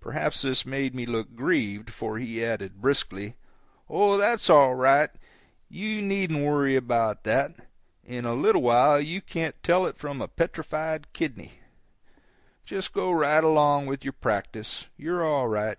Perhaps this made me look grieved, for he added, briskly: "Oh, that's all right, you needn't worry about that; in a little while you can't tell it from a petrified kidney. Just go right along with your practice; you're all right."